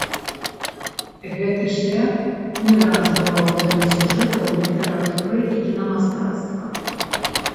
Гэты шлях не раз бываў тэмай сюжэтаў літаратуры і кінамастацтва.